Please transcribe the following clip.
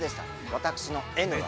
私のＮは。